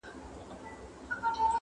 له مودو ستا د دوستی یمه لېواله٫